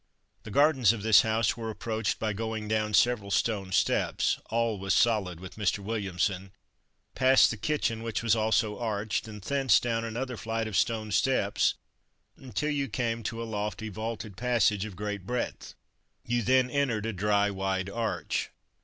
The gardens of this house were approached by going down several stone steps (all was solid with Mr. Williamson) past the kitchen, which was also arched, and thence down another flight of stone steps until you came to a lofty vaulted passage of great breadth. You then entered a dry, wide arch.